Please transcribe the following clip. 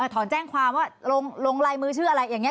ถอนแจ้งความว่าลงลายมือชื่ออะไรอย่างนี้